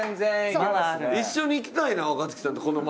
一緒に行きたいな若槻さんとこの街。